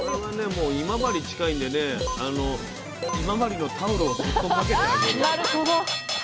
もう今治近いんでね今治のタオルをそっと掛けてあげる。